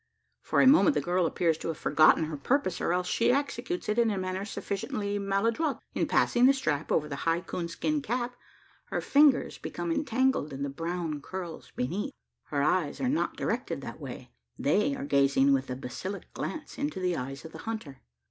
For a moment the girl appears to have forgotten her purpose, or else she executes it in a manner sufficiently maladroit. In passing the strap over the high coon skin cap, her fingers become entangled in the brown curls beneath. Her eyes are not directed that way: they are gazing with a basilisk glance into the eyes of the hunter.